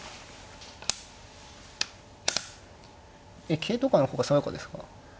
え桂とかの方が爽やかですか。